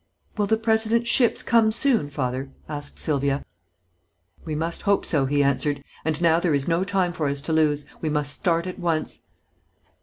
"Will the President's ships come soon, Father?" asked Sylvia. "We must hope so," he answered; "and now there is no time for us to lose. We must start at once."